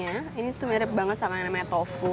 tahoknya ini tuh mirip banget sama namanya tofu